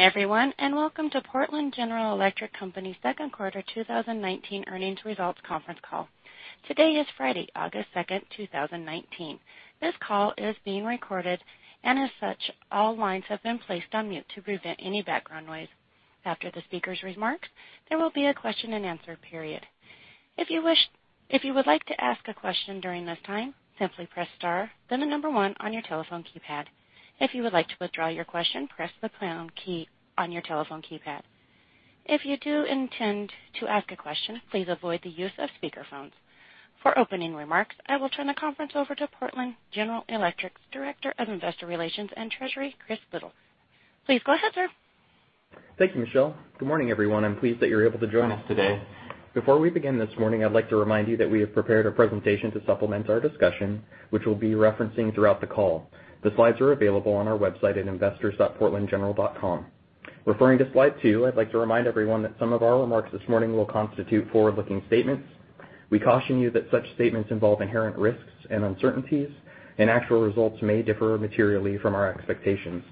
Everyone, welcome to Portland General Electric Company second quarter 2019 earnings results conference call. Today is Friday, August 2, 2019. This call is being recorded, and as such, all lines have been placed on mute to prevent any background noise. After the speaker's remarks, there will be a question and answer period. If you would like to ask a question during this time, simply press star, then the number 1 on your telephone keypad. If you would like to withdraw your question, press the pound key on your telephone keypad. If you do intend to ask a question, please avoid the use of speakerphones. For opening remarks, I will turn the conference over to Portland General Electric's Director of Investor Relations and Treasury, Christopher Liddle. Please go ahead, sir. Thank you, Michelle. Good morning, everyone. I'm pleased that you're able to join us today. Before we begin this morning, I'd like to remind you that we have prepared a presentation to supplement our discussion, which we'll be referencing throughout the call. The slides are available on our website at investors.portlandgeneral.com. Referring to slide two, I'd like to remind everyone that some of our remarks this morning will constitute forward-looking statements. We caution you that such statements involve inherent risks and uncertainties, and actual results may differ materially from our expectations.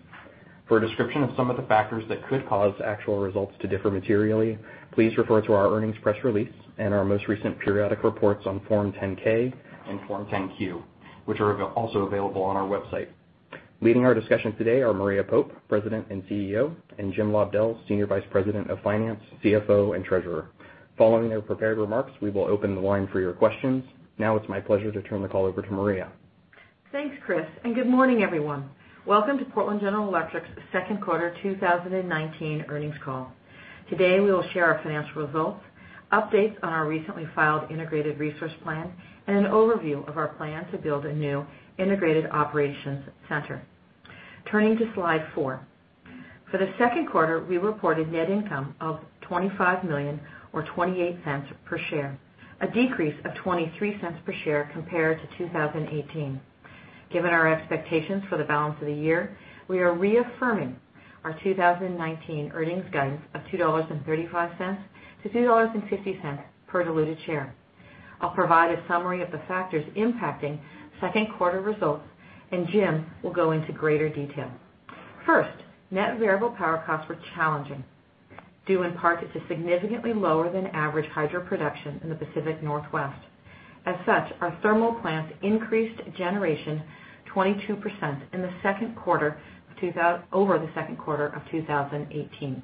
For a description of some of the factors that could cause actual results to differ materially, please refer to our earnings press release and our most recent periodic reports on Form 10-K and Form 10-Q, which are also available on our website. Leading our discussion today are Maria Pope, President and CEO, and James Lobdell, Senior Vice President of Finance, CFO, and Treasurer. Following their prepared remarks, we will open the line for your questions. Now it's my pleasure to turn the call over to Maria. Thanks, Chris. Good morning, everyone. Welcome to Portland General Electric's second quarter 2019 earnings call. Today, we will share our financial results, updates on our recently filed Integrated Resource Plan, and an overview of our plan to build a new Integrated Operations Center. Turning to slide four. For the second quarter, we reported net income of $25 million or $0.28 per share, a decrease of $0.23 per share compared to 2018. Given our expectations for the balance of the year, we are reaffirming our 2019 earnings guidance of $2.35-$2.50 per diluted share. I'll provide a summary of the factors impacting second quarter results. Jim will go into greater detail. First, net variable power costs were challenging, due in part to significantly lower than average hydro production in the Pacific Northwest. As such, our thermal plants increased generation 22% over the second quarter of 2018.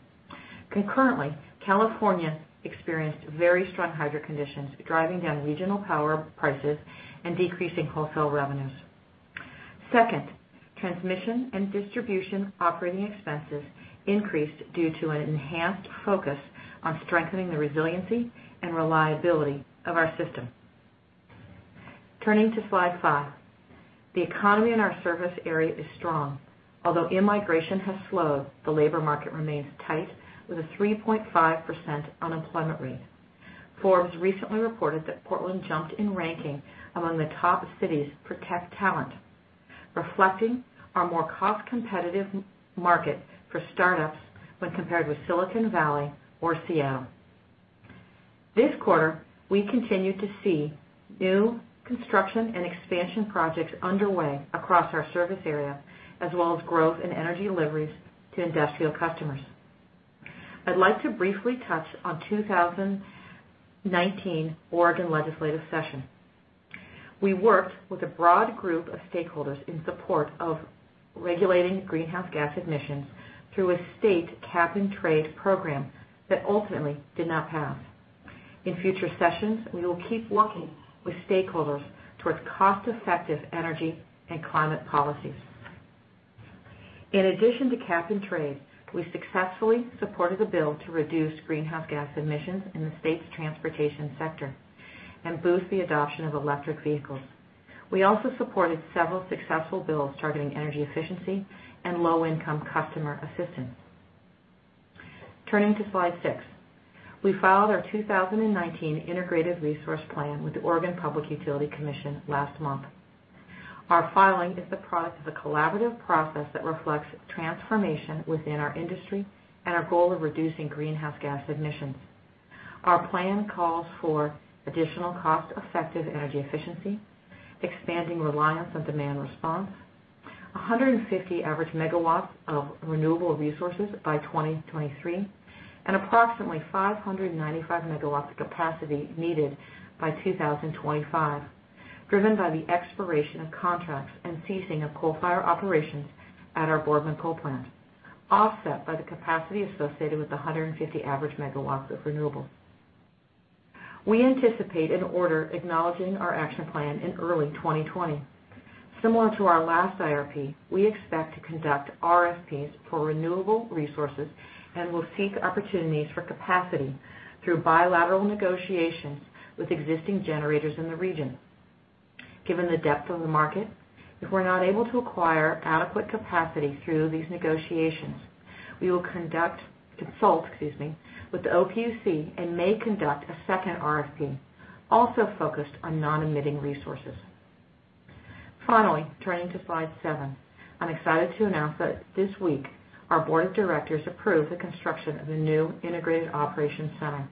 Concurrently, California experienced very strong hydro conditions, driving down regional power prices and decreasing wholesale revenues. Second, transmission and distribution operating expenses increased due to an enhanced focus on strengthening the resiliency and reliability of our system. Turning to slide five. The economy in our service area is strong. Although immigration has slowed, the labor market remains tight with a 3.5% unemployment rate. Forbes recently reported that Portland jumped in ranking among the top cities for tech talent, reflecting our more cost-competitive market for startups when compared with Silicon Valley or Seattle. This quarter, we continued to see new construction and expansion projects underway across our service area, as well as growth in energy deliveries to industrial customers. I'd like to briefly touch on 2019 Oregon legislative session. We worked with a broad group of stakeholders in support of regulating greenhouse gas emissions through a state cap-and-trade program that ultimately did not pass. In future sessions, we will keep working with stakeholders towards cost-effective energy and climate policies. In addition to cap-and-trade, we successfully supported a bill to reduce greenhouse gas emissions in the state's transportation sector and boost the adoption of electric vehicles. We also supported several successful bills targeting energy efficiency and low-income customer assistance. Turning to slide six. We filed our 2019 Integrated Resource Plan with the Oregon Public Utility Commission last month. Our filing is the product of a collaborative process that reflects transformation within our industry and our goal of reducing greenhouse gas emissions. Our plan calls for additional cost-effective energy efficiency, expanding reliance on demand response, 150 average megawatts of renewable resources by 2023, and approximately 595 megawatts of capacity needed by 2025, driven by the expiration of contracts and ceasing of coal fire operations at our Boardman coal plant, offset by the capacity associated with the 150 average megawatts of renewables. We anticipate an order acknowledging our action plan in early 2020. Similar to our last IRP, we expect to conduct RFPs for renewable resources and will seek opportunities for capacity through bilateral negotiations with existing generators in the region. Given the depth of the market, if we're not able to acquire adequate capacity through these negotiations, we will consult with the OPUC and may conduct a second RFP, also focused on non-emitting resources. Finally, turning to slide seven. I'm excited to announce that this week our board of directors approved the construction of a new Integrated Operations Center.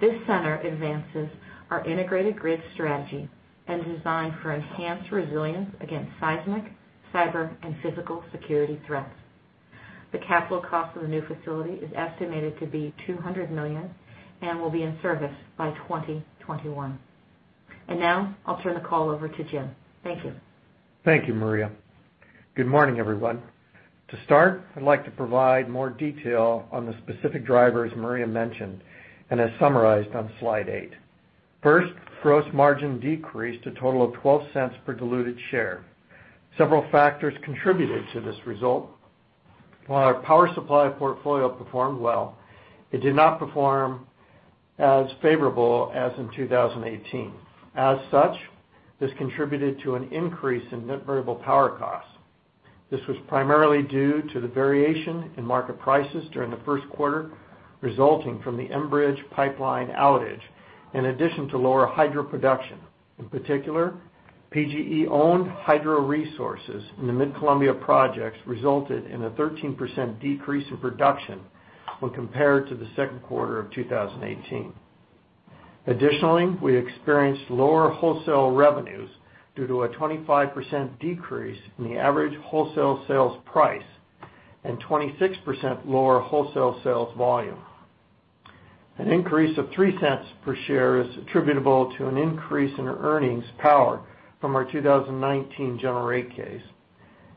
This center advances our integrated grid strategy and is designed for enhanced resilience against seismic, cyber, and physical security threats. The capital cost of the new facility is estimated to be $200 million and will be in service by 2021. Now I'll turn the call over to Jim. Thank you. Thank you, Maria. Good morning, everyone. To start, I'd like to provide more detail on the specific drivers Maria mentioned and as summarized on slide eight. First, gross margin decreased a total of $0.12 per diluted share. Several factors contributed to this result. While our power supply portfolio performed well, it did not perform as favorably as in 2018. This contributed to an increase in net variable power costs. This was primarily due to the variation in market prices during the first quarter, resulting from the Enbridge pipeline outage, in addition to lower hydro production. In particular, PGE-owned hydro resources in the mid-Columbia projects resulted in a 13% decrease in production when compared to the second quarter of 2018. We experienced lower wholesale revenues due to a 25% decrease in the average wholesale sales price and 26% lower wholesale sales volume. An increase of $0.03 per share is attributable to an increase in earnings power from our 2019 general rate case.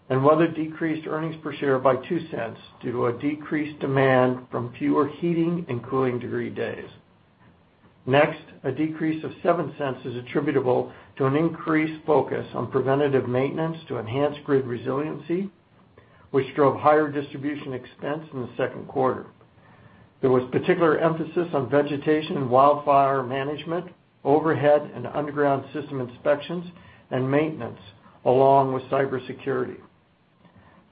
Weather decreased earnings per share by $0.02 due to a decreased demand from fewer heating and cooling degree days. A decrease of $0.07 is attributable to an increased focus on preventative maintenance to enhance grid resiliency, which drove higher distribution expense in the second quarter. There was particular emphasis on vegetation and wildfire management, overhead and underground system inspections, and maintenance, along with cybersecurity.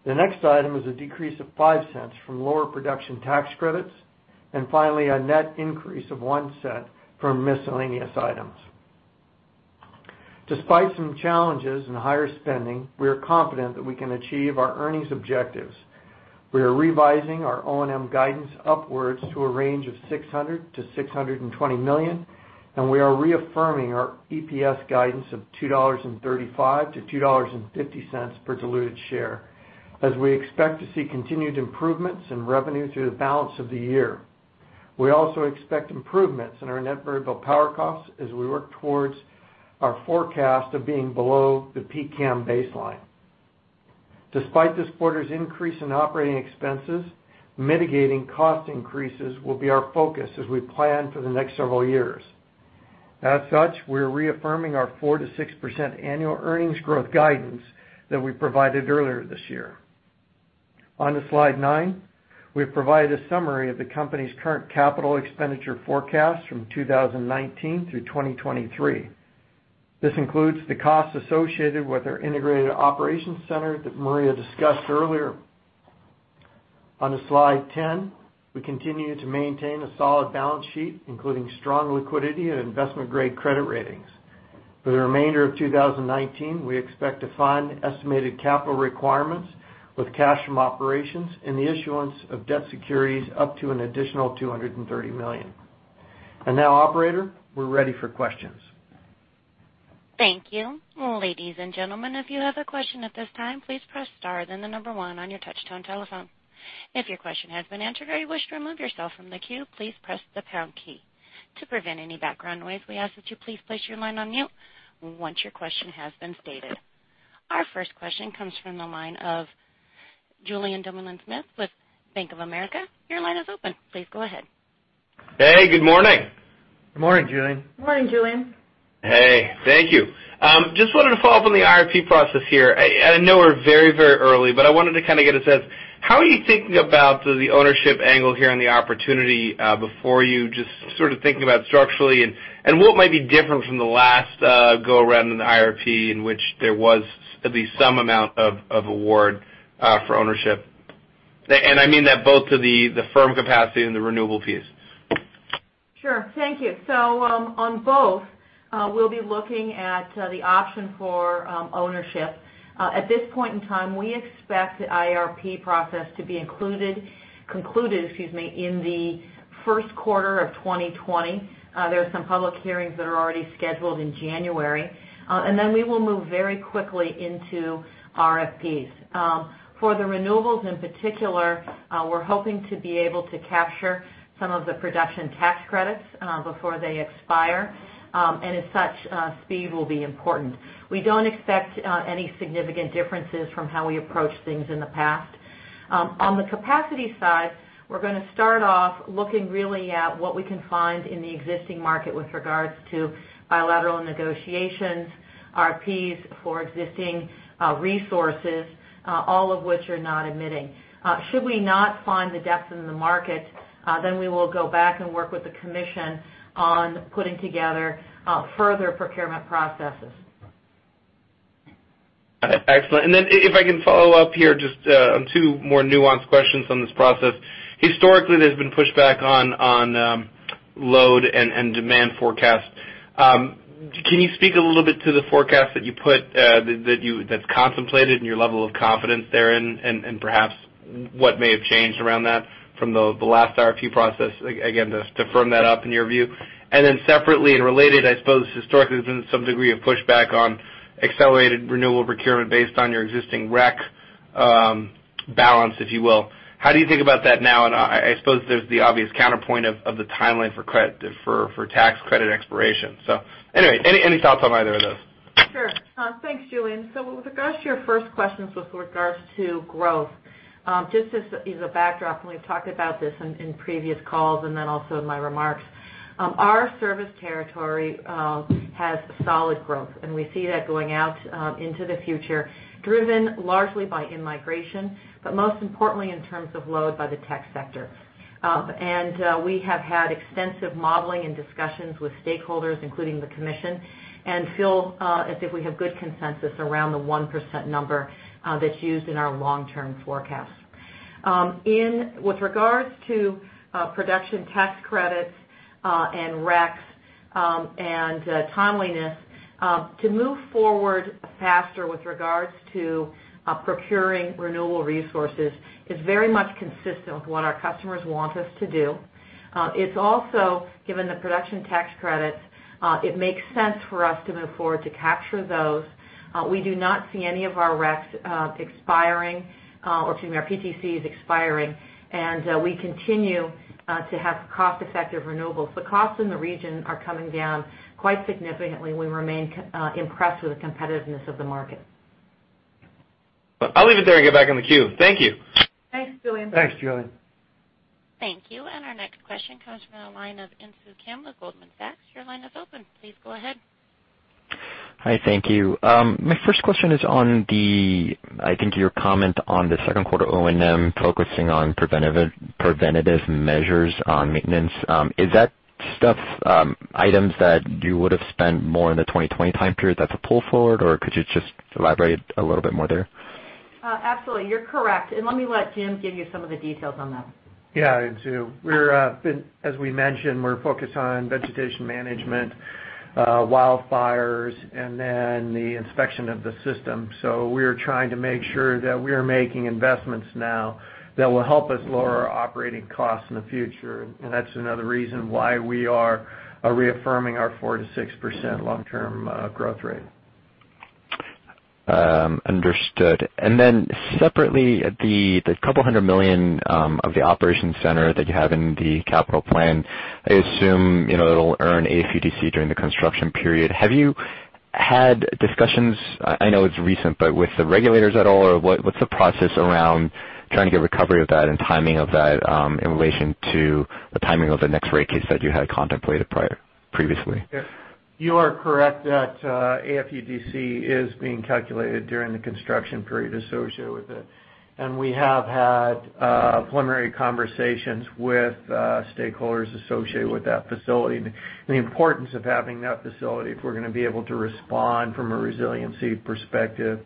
The next item is a decrease of $0.05 from lower production tax credits. A net increase of $0.01 from miscellaneous items. Despite some challenges in higher spending, we are confident that we can achieve our earnings objectives. We are revising our O&M guidance upwards to a range of $600 million-$620 million, we are reaffirming our EPS guidance of $2.35 to $2.50 per diluted share, as we expect to see continued improvements in revenue through the balance of the year. We also expect improvements in our net variable power costs as we work towards our forecast of being below the PCAM baseline. Despite this quarter's increase in operating expenses, mitigating cost increases will be our focus as we plan for the next several years. As such, we're reaffirming our 4%-6% annual earnings growth guidance that we provided earlier this year. On to slide nine. We have provided a summary of the company's current capital expenditure forecast from 2019 through 2023. This includes the costs associated with our Integrated Operations Center that Maria discussed earlier. On to slide 10. We continue to maintain a solid balance sheet, including strong liquidity and investment-grade credit ratings. For the remainder of 2019, we expect to fund estimated capital requirements with cash from operations and the issuance of debt securities up to an additional $230 million. Now, operator, we're ready for questions. Thank you. Ladies and gentlemen, if you have a question at this time, please press star then the number one on your touch-tone telephone. If your question has been answered or you wish to remove yourself from the queue, please press the pound key. To prevent any background noise, we ask that you please place your line on mute once your question has been stated. Our first question comes from the line of Julien Dumoulin-Smith with Bank of America. Your line is open. Please go ahead. Hey, good morning. Good morning, Julien. Good morning, Julien. Hey. Thank you. Just wanted to follow up on the IRP process here. I know we're very early, but I wanted to kind of get a sense, how are you thinking about the ownership angle here and the opportunity before you, just sort of thinking about structurally, and what might be different from the last go-around in the IRP in which there was at least some amount of award for ownership? I mean that both to the firm capacity and the renewable piece. Sure. Thank you. On both, we'll be looking at the option for ownership. At this point in time, we expect the IRP process to be concluded in the first quarter of 2020. There are some public hearings that are already scheduled in January. Then we will move very quickly into RFPs. For the renewables in particular, we're hoping to be able to capture some of the production tax credits before they expire, and as such, speed will be important. We don't expect any significant differences from how we approached things in the past. On the capacity side, we're going to start off looking really at what we can find in the existing market with regards to bilateral negotiations, RFPs for existing resources, all of which are not emitting. Should we not find the depth in the market, then we will go back and work with the commission on putting together further procurement processes. Got it. Excellent. If I can follow up here just on two more nuanced questions on this process. Historically, there's been pushback on load and demand forecast. Can you speak a little bit to the forecast that you put, that's contemplated and your level of confidence therein, and perhaps what may have changed around that from the last RFP process, again, to firm that up in your view? Separately and related, I suppose historically there's been some degree of pushback on accelerated renewable procurement based on your existing rec balance, if you will. How do you think about that now? I suppose there's the obvious counterpoint of the timeline for tax credit expiration. Anyway, any thoughts on either of those? Sure. Thanks, Julien. With regards to your first questions with regards to growth, just as a backdrop, and we've talked about this in previous calls and then also in my remarks, our service territory has solid growth, and we see that going out into the future, driven largely by in-migration, but most importantly in terms of load by the tech sector. We have had extensive modeling and discussions with stakeholders, including the Commission, and feel as if we have good consensus around the 1% number that's used in our long-term forecast. With regards to production tax credits and recs and timeliness, to move forward faster with regards to procuring renewable resources is very much consistent with what our customers want us to do. It's also, given the production tax credits, it makes sense for us to move forward to capture those. We do not see any of our recs expiring, or excuse me, our PTCs expiring. We continue to have cost-effective renewables. The costs in the region are coming down quite significantly. We remain impressed with the competitiveness of the market. I'll leave it there and get back in the queue. Thank you. Thanks, Julien. Thanks, Julien. Thank you. Our next question comes from the line of Insoo Kim with Goldman Sachs. Your line is open. Please go ahead. Hi, thank you. My first question is on the, I think your comment on the second quarter O&M focusing on preventative measures on maintenance. Is that stuff items that you would've spent more in the 2020 time period that's a pull forward, or could you just elaborate a little bit more there? Absolutely. You're correct, and let me let Jim give you some of the details on that. Yeah. Insoo, as we mentioned, we're focused on vegetation management, wildfires, and then the inspection of the system. We are trying to make sure that we are making investments now that will help us lower our operating costs in the future. That's another reason why we are reaffirming our 4%-6% long-term growth rate. Understood. Separately, the $200 million of the Operations Center that you have in the capital plan, I assume it'll earn AFUDC during the construction period. Have you had discussions, I know it's recent, but with the regulators at all? What's the process around trying to get recovery of that and timing of that in relation to the timing of the next rate case that you had contemplated previously? You are correct that AFUDC is being calculated during the construction period associated with it. We have had preliminary conversations with stakeholders associated with that facility and the importance of having that facility if we're going to be able to respond from a resiliency perspective.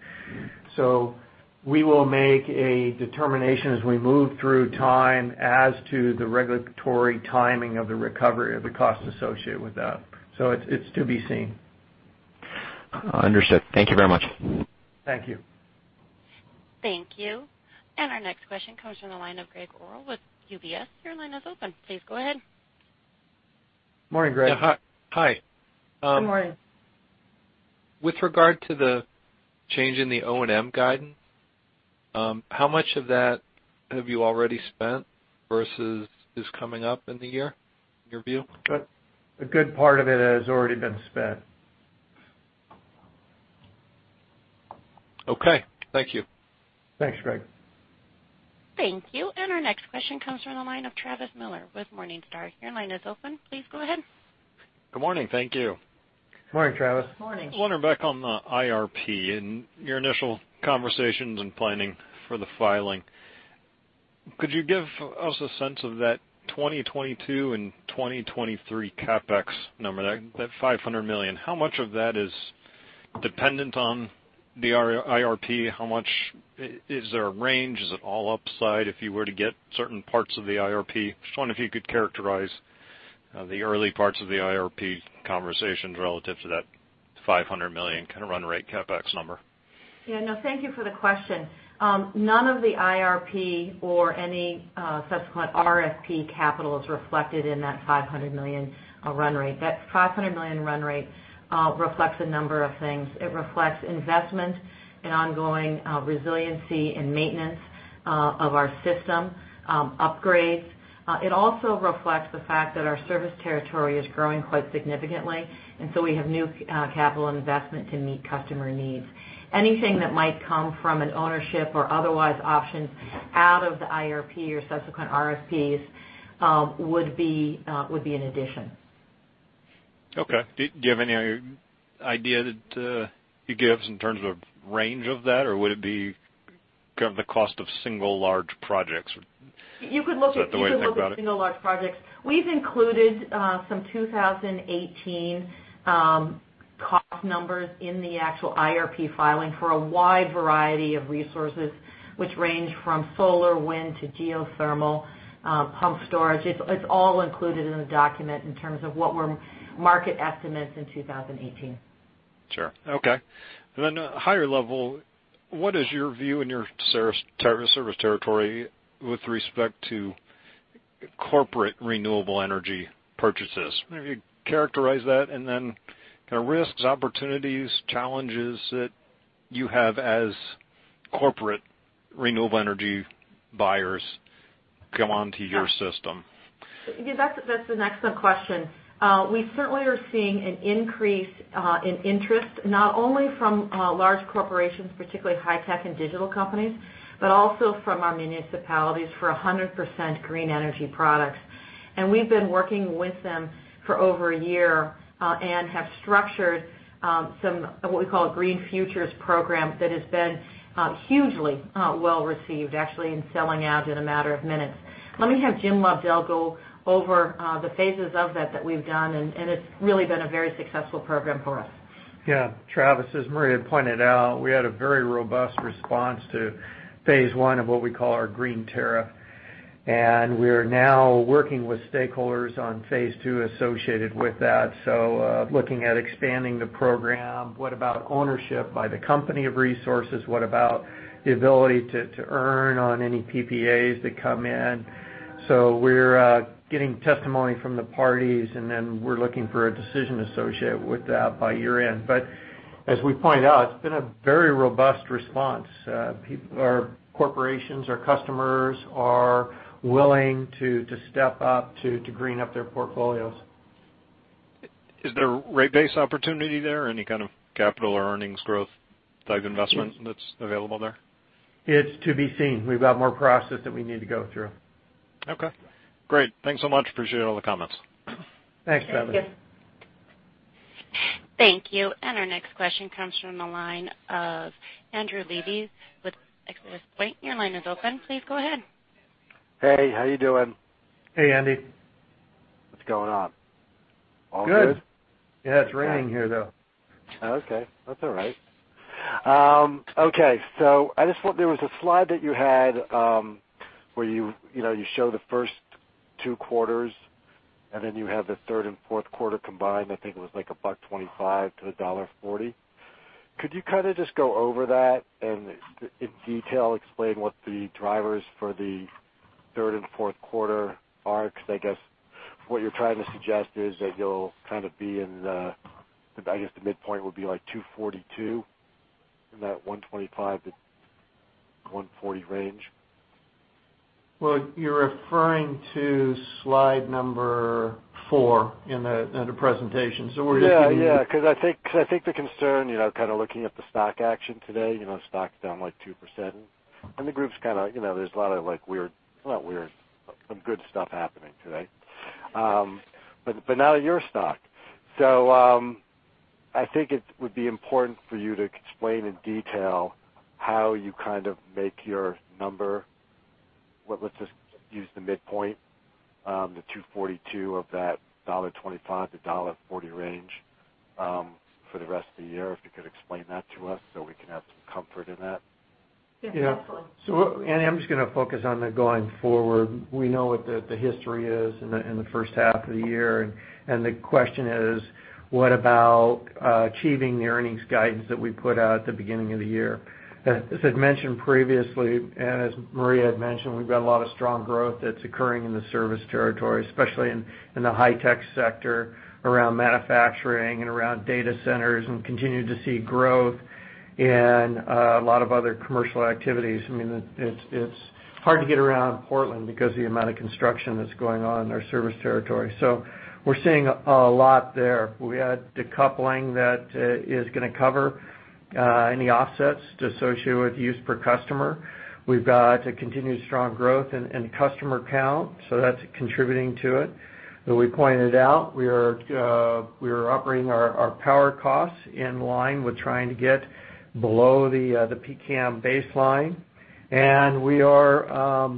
We will make a determination as we move through time as to the regulatory timing of the recovery of the costs associated with that. It's to be seen. Understood. Thank you very much. Thank you. Thank you. Our next question comes from the line of Gregg Orrill with UBS. Your line is open. Please go ahead. Morning, Gregg. Hi. Good morning. With regard to the change in the O&M guidance, how much of that have you already spent versus is coming up in the year in your view? A good part of it has already been spent. Okay. Thank you. Thanks, Greg. Thank you. Our next question comes from the line of Travis Miller with Morningstar. Your line is open. Please go ahead. Good morning. Thank you. Morning, Travis. Morning. I was wondering, back on the IRP and your initial conversations and planning for the filing, could you give us a sense of that 2022 and 2023 CapEx number, that $500 million? How much of that is dependent on the IRP? Is there a range? Is it all upside if you were to get certain parts of the IRP? Just wondering if you could characterize the early parts of the IRP conversations relative to that $500 million kind of run rate CapEx number. Yeah, no, thank you for the question. None of the IRP or any subsequent RFP capital is reflected in that $500 million run rate. That $500 million run rate reflects a number of things. It reflects investment in ongoing resiliency and maintenance of our system, upgrades. It also reflects the fact that our service territory is growing quite significantly, and so we have new capital investment to meet customer needs. Anything that might come from an ownership or otherwise options out of the IRP or subsequent RFPs would be an addition. Okay. Do you have any idea that you could give us in terms of range of that, or would it be kind of the cost of single large projects? Is that the way to think about it? You could look at single large projects. We've included some 2018 cost numbers in the actual IRP filing for a wide variety of resources, which range from solar, wind, to geothermal, pump storage. It's all included in the document in terms of what were market estimates in 2018. Sure. Okay. Higher level, what is your view in your service territory with respect to corporate renewable energy purchases? Maybe characterize that, kind of risks, opportunities, challenges that you have as corporate renewable energy buyers come onto your system. Yeah. That's an excellent question. We certainly are seeing an increase in interest, not only from large corporations, particularly high tech and digital companies, but also from our municipalities for 100% green energy products. We've been working with them for over a year, and have structured some, what we call a Green Future Program that has been hugely well-received, actually, and selling out in a matter of minutes. Let me have James Lobdell go over the phases of that we've done, and it's really been a very successful program for us. Travis, as Maria had pointed out, we had a very robust response to phase one of what we call our green tariff. We're now working with stakeholders on phase two associated with that. Looking at expanding the program. What about ownership by the company of resources? What about the ability to earn on any PPAs that come in? We're getting testimony from the parties, and then we're looking for a decision associated with that by year-end. As we pointed out, it's been a very robust response. Our corporations, our customers are willing to step up to green up their portfolios. Is there rate base opportunity there? Any kind of capital or earnings growth type investment that's available there? It's to be seen. We've got more process that we need to go through. Okay, great. Thanks so much. Appreciate all the comments. Thanks, Travis. Yes. Thank you. Our next question comes from the line of Andrew Weiss with ExodusPoint. Your line is open. Please go ahead. Hey, how you doing? Hey, Andy. What's going on? All good? Good. Yeah, it's raining here, though. Okay. That's all right. Okay. I just want there was a slide that you had, where you show the first two quarters, and then you have the third and fourth quarter combined, I think it was like $1.25 to $1.40. Could you kind of just go over that and in detail explain what the drivers for the third and fourth quarter are? I guess what you're trying to suggest is that you'll kind of be in the, I guess, the midpoint would be like $2.42 in that $1.25-$1.40 range. You're referring to slide number four in the presentation. I think the concern, kind of looking at the stock action today, stock's down like 2%. The group's kind of, there's a lot of like weird, not weird, some good stuff happening today. Not of your stock. I think it would be important for you to explain in detail how you kind of make your number. Let's just use the midpoint, the $2.42 of that $1.25 to $1.40 range, for the rest of the year. If you could explain that to us so we can have some comfort in that. Yeah. Absolutely. Andy, I'm just going to focus on the going forward. We know what the history is in the first half of the year. The question is, what about achieving the earnings guidance that we put out at the beginning of the year? As I've mentioned previously, and as Maria had mentioned, we've got a lot of strong growth that's occurring in the service territory, especially in the high-tech sector around manufacturing and around data centers, and continue to see growth in a lot of other commercial activities. It's hard to get around Portland because of the amount of construction that's going on in our service territory. We're seeing a lot there. We had decoupling that is going to cover any offsets associated with use per customer. We've got a continued strong growth in customer count, so that's contributing to it. As we pointed out, we are operating our power costs in line with trying to get below the PCAM baseline. We are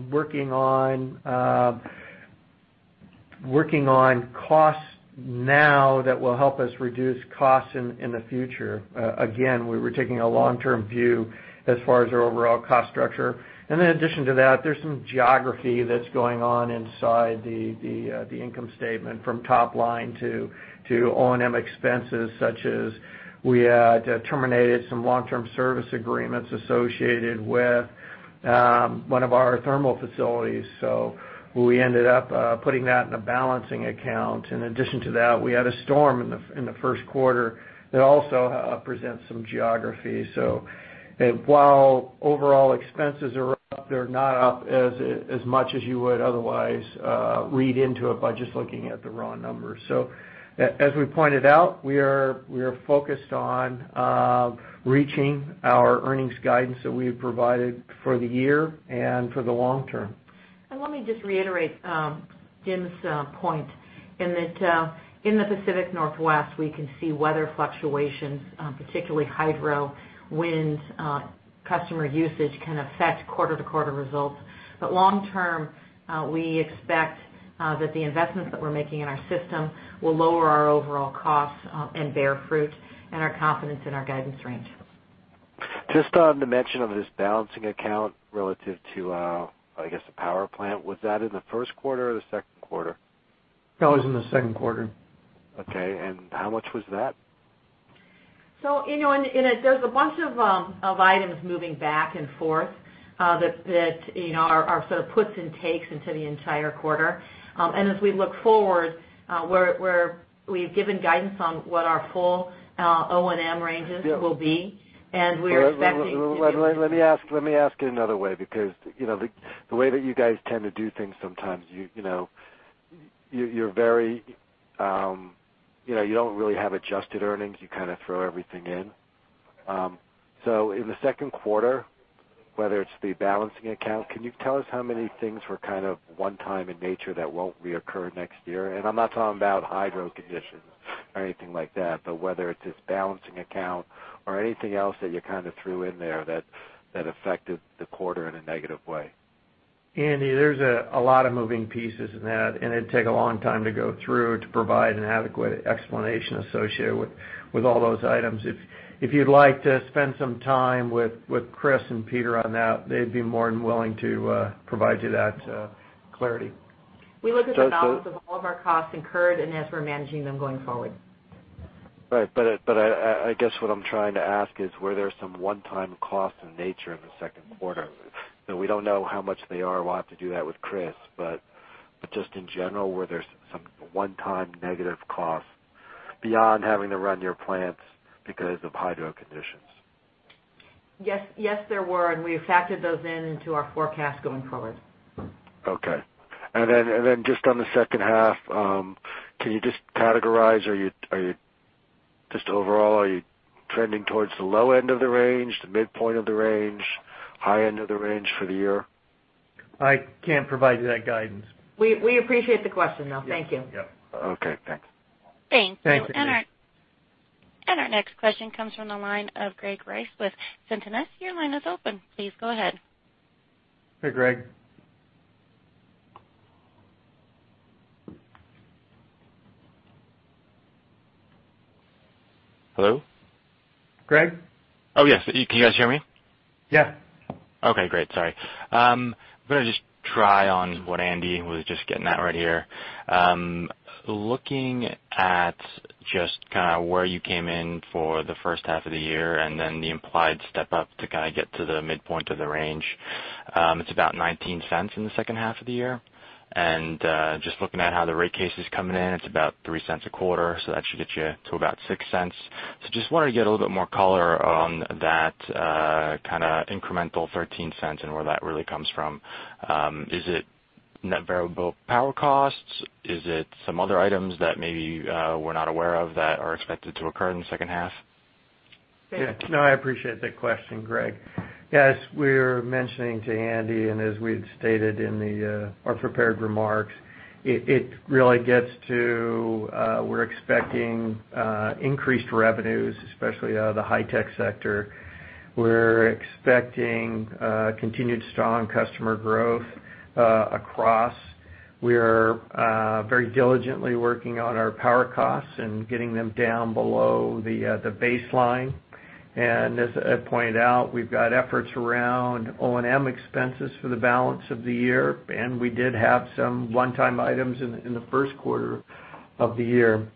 working on costs now that will help us reduce costs in the future. Again, we're taking a long-term view as far as our overall cost structure. In addition to that, there's some geography that's going on inside the income statement from top line to O&M expenses, such as we had terminated some long-term service agreements associated with one of our thermal facilities. We ended up putting that in a balancing account. In addition to that, we had a storm in the first quarter that also presents some geography. While overall expenses are up, they're not up as much as you would otherwise read into it by just looking at the raw numbers. As we pointed out, we are focused on reaching our earnings guidance that we have provided for the year and for the long term. Let me just reiterate Jim's point in that, in the Pacific Northwest, we can see weather fluctuations, particularly hydro, wind, customer usage can affect quarter-to-quarter results. Long term, we expect that the investments that we're making in our system will lower our overall costs and bear fruit and our confidence in our guidance range. On the mention of this balancing account relative to, I guess, the power plant. Was that in the first quarter or the second quarter? That was in the second quarter. Okay. How much was that? There's a bunch of items moving back and forth that are sort of puts and takes into the entire quarter. As we look forward, we've given guidance on what our full O&M ranges will be. We're expecting to- Let me ask it another way, because the way that you guys tend to do things sometimes, you don't really have adjusted earnings. You kind of throw everything in. In the second quarter, whether it's the balancing account, can you tell us how many things were kind of one-time in nature that won't reoccur next year? I'm not talking about hydro conditions or anything like that, but whether it's this balancing account or anything else that you kind of threw in there that affected the quarter in a negative way. Andy, there's a lot of moving pieces in that, and it'd take a long time to go through to provide an adequate explanation associated with all those items. If you'd like to spend some time with Chris and Peter on that, they'd be more than willing to provide you that clarity. We look at the balance of all of our costs incurred and as we're managing them going forward. Right. I guess what I'm trying to ask is, were there some one-time costs in nature in the second quarter? We don't know how much they are. We'll have to do that with Chris. Just in general, were there some one-time negative costs beyond having to run your plants because of hydro conditions? Yes, there were, and we have factored those in into our forecast going forward. Okay. Just on the second half, can you just categorize, just overall, are you trending towards the low end of the range, the midpoint of the range, high end of the range for the year? I can't provide you that guidance. We appreciate the question, though. Thank you. Yep. Okay. Thanks. Thank you. Thank you, Andy. Our next question comes from the line of Greg Rice with Cintas. Your line is open. Please go ahead. Hey, Greg. Hello? Greg? Oh, yes. Can you guys hear me? Yeah. Okay, great. Sorry. I'm going to just try on what Andy was just getting at right here. Looking at just kind of where you came in for the first half of the year and then the implied step up to kind of get to the midpoint of the range. It's about $0.19 in the second half of the year. Just looking at how the rate case is coming in, it's about $0.03 a quarter, so that should get you to about $0.06. Just wanted to get a little bit more color on that kind of incremental $0.13 and where that really comes from. Is it net variable power costs? Is it some other items that maybe we're not aware of that are expected to occur in the second half? Yeah. No, I appreciate that question, Greg. Yes, we're mentioning to Andy, and as we had stated in our prepared remarks, it really gets to we're expecting increased revenues, especially the high-tech sector. We're expecting continued strong customer growth across. We are very diligently working on our power costs and getting them down below the baseline. As I pointed out, we've got efforts around O&M expenses for the balance of the year, and we did have some one-time items in the first quarter of the year.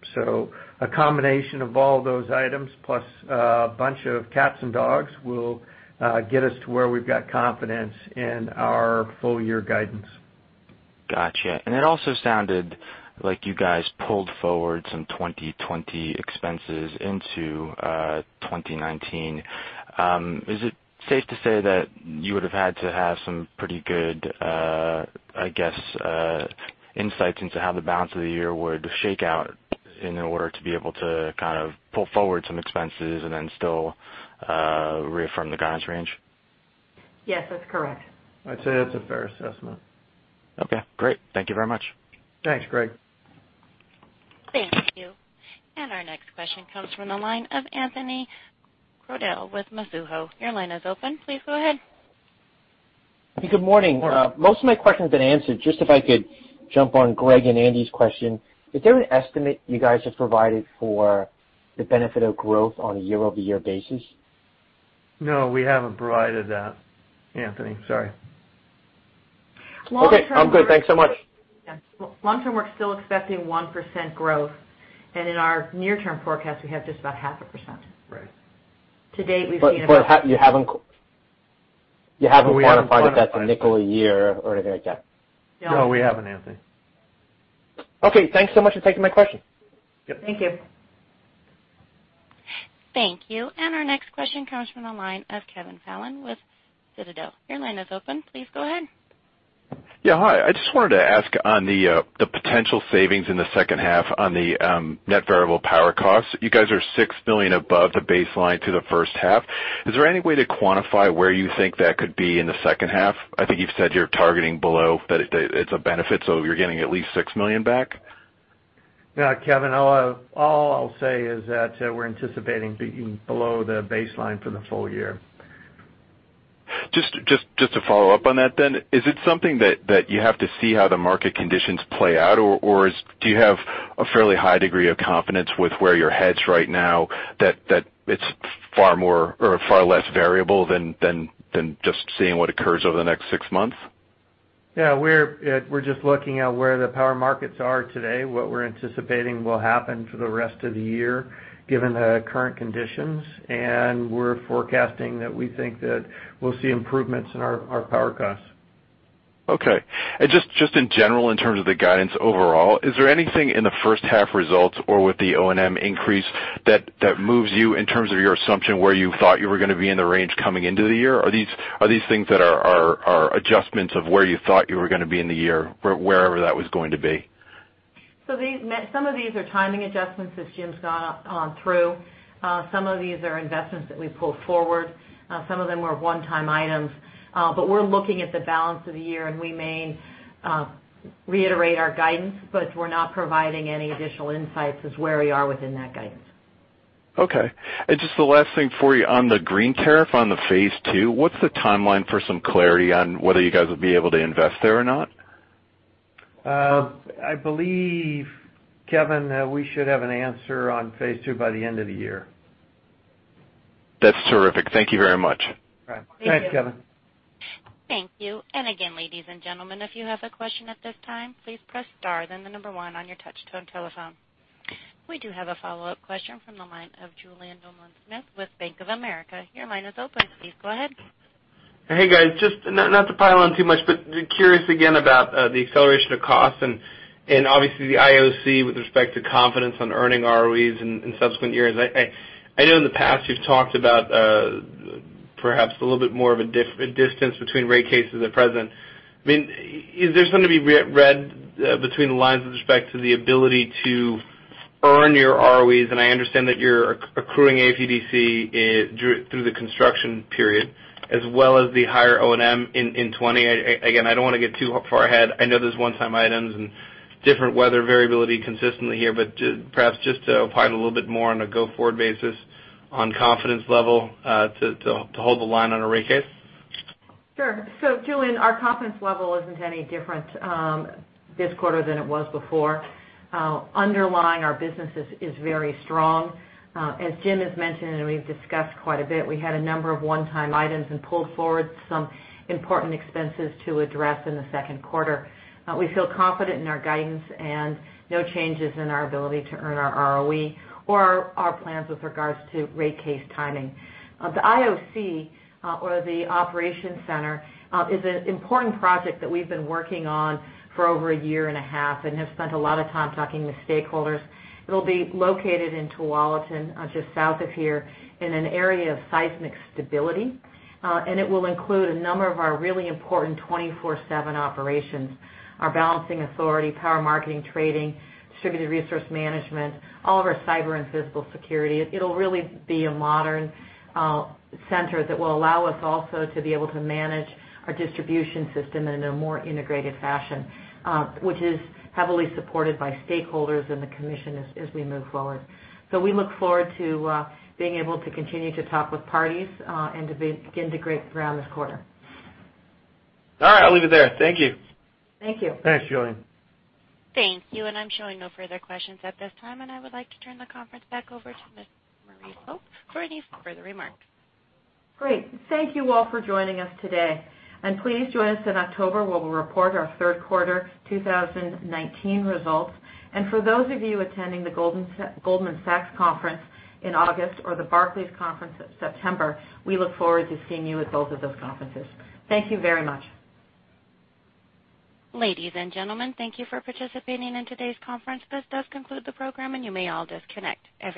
A combination of all those items, plus a bunch of cats and dogs, will get us to where we've got confidence in our full-year guidance. Gotcha. It also sounded like you guys pulled forward some 2020 expenses into 2019. Is it safe to say that you would have had to have some pretty good, I guess, insights into how the balance of the year would shake out in order to be able to kind of pull forward some expenses and then still reaffirm the guidance range? Yes, that's correct. I'd say that's a fair assessment. Okay, great. Thank you very much. Thanks, Greg. Thank you. Our next question comes from the line of Anthony Crowdell with Mizuho. Your line is open. Please go ahead. Good morning. Morning. Most of my question's been answered. Just if I could jump on Greg and Andy's question. Is there an estimate you guys have provided for the benefit of growth on a year-over-year basis? No, we haven't provided that, Anthony. Sorry. Okay. I'm good. Thanks so much. Long term, we're still expecting 1% growth, and in our near-term forecast, we have just about half a percent. Right. You haven't quantified if that's $0.05 a year or anything like that? No. No, we haven't, Anthony. Okay. Thanks so much for taking my question. Yep. Thank you. Thank you. Our next question comes from the line of Kevin Fallon with Citadel. Your line is open. Please go ahead. Yeah, hi. I just wanted to ask on the potential savings in the second half on the net variable power costs. You guys are $6 million above the baseline to the first half. Is there any way to quantify where you think that could be in the second half? I think you've said you're targeting below, but it's a benefit, so you're getting at least $6 million back? Yeah, Kevin, all I'll say is that we're anticipating being below the baseline for the full year. Just to follow up on that, is it something that you have to see how the market conditions play out, or do you have a fairly high degree of confidence with where your head's right now that it's far less variable than just seeing what occurs over the next six months? We're just looking at where the power markets are today, what we're anticipating will happen for the rest of the year given the current conditions, and we're forecasting that we think that we'll see improvements in our power costs. Okay. Just in general, in terms of the guidance overall, is there anything in the first half results or with the O&M increase that moves you in terms of your assumption where you thought you were going to be in the range coming into the year? Are these things that are adjustments of where you thought you were going to be in the year, wherever that was going to be? Some of these are timing adjustments, as Jim's gone through. Some of these are investments that we pulled forward. Some of them were one-time items. We're looking at the balance of the year, and we may reiterate our guidance, but we're not providing any additional insights as where we are within that guidance. Okay. Just the last thing for you on the green tariff on the phase 2, what's the timeline for some clarity on whether you guys will be able to invest there or not? I believe, Kevin, we should have an answer on phase II by the end of the year. That's terrific. Thank you very much. Thank you. Thanks, Kevin. Thank you. Again, ladies and gentlemen, if you have a question at this time, please press star, then the number 1 on your touch-tone telephone. We do have a follow-up question from the line of Julien Dumoulin-Smith with Bank of America. Your line is open. Please go ahead. Hey, guys, just not to pile on too much. Curious again about the acceleration of costs and obviously the IOC with respect to confidence on earning ROEs in subsequent years. I know in the past you've talked about perhaps a little bit more of a distance between rate cases at present. Is there something to be read between the lines with respect to the ability to earn your ROEs? I understand that you're accruing AFUDC through the construction period as well as the higher O&M in 2020. I don't want to get too far ahead. I know there's one-time items and different weather variability consistently here. Perhaps just to opine a little bit more on a go-forward basis on confidence level to hold the line on a rate case. Sure. Julien, our confidence level isn't any different this quarter than it was before. Underlying, our business is very strong. As James has mentioned, and we've discussed quite a bit, we had a number of one-time items and pulled forward some important expenses to address in the second quarter. We feel confident in our guidance and no changes in our ability to earn our ROE or our plans with regards to rate case timing. The IOC, or the operations center, is an important project that we've been working on for over a year and a half and have spent a lot of time talking with stakeholders. It'll be located in Tualatin, just south of here, in an area of seismic stability, and it will include a number of our really important 24/7 operations, our balancing authority, power marketing, trading, distributed resource management, all of our cyber and physical security. It'll really be a modern center that will allow us also to be able to manage our distribution system in a more integrated fashion, which is heavily supported by stakeholders and the commission as we move forward. We look forward to being able to continue to talk with parties, and to begin to break ground this quarter. All right, I'll leave it there. Thank you. Thank you. Thanks, Julien. Thank you. I'm showing no further questions at this time, and I would like to turn the conference back over to Ms. Maria Pope for any further remarks. Great. Thank you all for joining us today. Please join us in October where we'll report our third quarter 2019 results. For those of you attending the Goldman Sachs conference in August or the Barclays conference in September, we look forward to seeing you at both of those conferences. Thank you very much. Ladies and gentlemen, thank you for participating in today's conference. This does conclude the program, and you may all disconnect at this time.